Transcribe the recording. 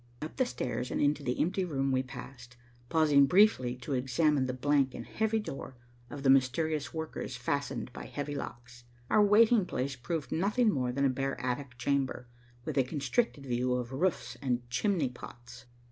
Up the stairs and into the empty room we passed, pausing briefly to examine the blank and heavy door of the mysterious workers fastened by heavy locks. Our waiting place proved nothing more than a bare attic chamber, with a constricted view of roofs and chimney pots.